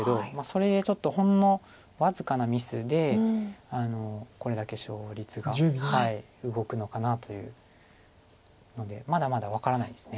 それでちょっとほんの僅かなミスでこれだけ勝率が動くのかなというのでまだまだ分からないです。